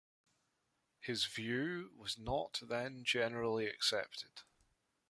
His view was not then generally accepted.